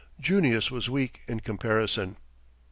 Junius was weak in comparison.